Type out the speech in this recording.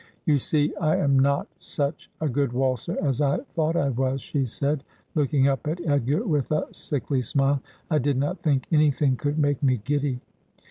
' You see I am not such a good waltzer as I thought I was,' she said, looking up at Edgar with a sickly smile. ' I did not think anything could make me giddy.'